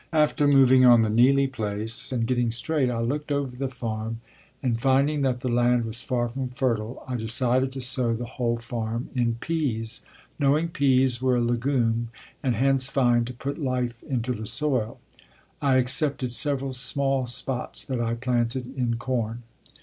After moving on the Neely place and getting straight, I looked over the farm and finding that the land was far from fertile, I decided to sow the whole farm in peas, knowing peas were a legume and hence fine to put life into the soil. I excepted several small spots that I planted in corn.